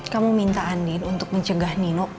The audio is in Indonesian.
kamu minta andin untuk mencegah nino